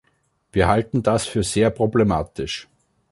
Wir halten das für sehr problematisch.